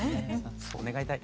そう願いたい。